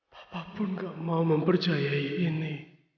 papah pun gak mau mempercayai ini